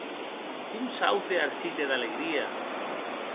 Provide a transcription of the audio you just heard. Com saute Arcite d’alegria!